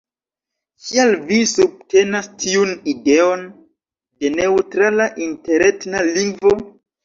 Kial vi subtenas tiun ideon de neŭtrala interetna lingvo?